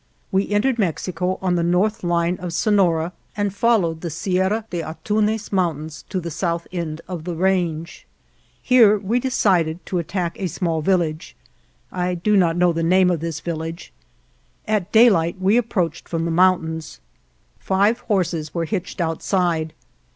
We entered Mexico on the north line of Sonora and fol lowed the Sierra de Antunez Mountains to the south end of the range. Here we de cided to attack a small village. (I do not know the name of this village.) At day light we approached from the mountains. i Geronimo had married again. 55 GERONIMO Five horses were hitched outside.